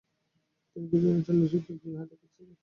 তিনি কিছুদিন ইতালীয় শিক্ষক গিলহার্ডির কাছে ছবি আঁকা শিখেছিলেন।